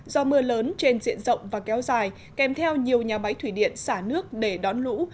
do mưa lớn trên diện rộng và kéo dài kèm theo nhiều nhà máy thủy điện xả nước để đón lũ